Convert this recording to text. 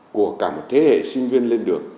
của cả một thế hệ sinh viên lên đường